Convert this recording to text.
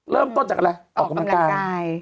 เริ่มต้นจากอะไรออกกำลังกาย